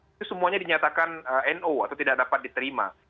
itu semuanya dinyatakan no atau tidak dapat diterima